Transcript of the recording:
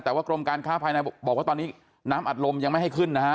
แต่ว่ากรมการค้าภายในบอกว่าตอนนี้น้ำอัดลมยังไม่ให้ขึ้นนะฮะ